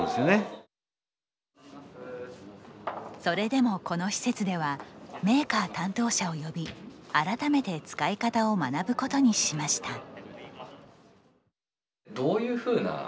それでもこの施設ではメーカー担当者を呼び改めて使い方を学ぶことにしました。